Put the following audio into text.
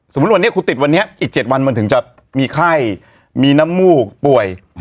วันนี้คุณติดวันนี้อีก๗วันมันถึงจะมีไข้มีน้ำมูกป่วย